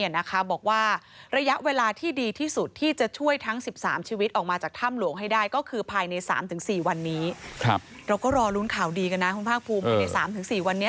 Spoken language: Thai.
ใน๓๔วันนี้เราก็รอรุ้นข่าวดีกันนะคุณภาคภูมิใน๓๔วันนี้